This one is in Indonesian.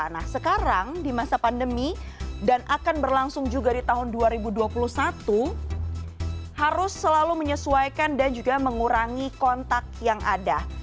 nah sekarang di masa pandemi dan akan berlangsung juga di tahun dua ribu dua puluh satu harus selalu menyesuaikan dan juga mengurangi kontak yang ada